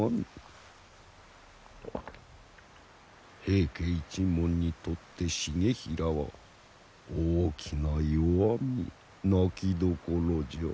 平家一門にとって重衡は大きな弱み泣きどころじゃ。